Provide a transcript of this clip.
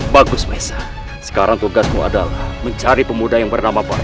bagus mesa sekarang tugasmu adalah mencari pemuda yang bernama bak